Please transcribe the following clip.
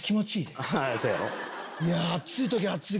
そうやろ。